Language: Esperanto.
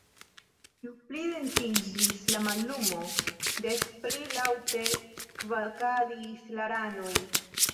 Ju pli densiĝis la mallumo, des pli laŭte kvakadis la ranoj.